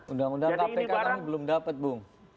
undang undang kpk belum dapat bu